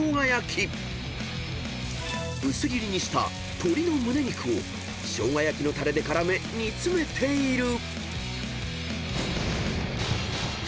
［薄切りにした鶏の胸肉を生姜焼きのたれで絡め煮詰めている］